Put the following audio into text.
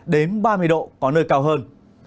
đến ba mươi độ có nơi cao hơn